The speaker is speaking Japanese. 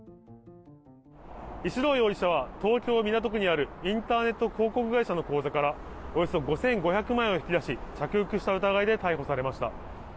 石動容疑者は東京・港区にあるインターネット広告会社の口座からおよそ５５００万円を引き出し着服した疑いで逮捕されました。